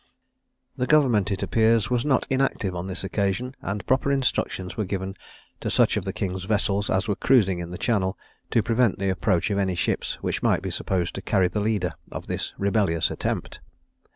The government, it appears, was not inactive on this occasion, and proper instructions were given to such of the king's vessels as were cruising in the Channel, to prevent the approach of any ships which might be supposed to carry the leader of this rebellious attempt.